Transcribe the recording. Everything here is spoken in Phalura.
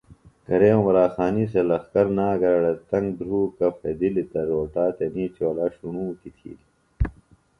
کرے عمراخانی سےۡ لخکر نانگرہ اڑے تنگ دُھروکہ پھدِلیۡ تہ روٹا تنی چولا ݜݨوکی تِھیلیۡ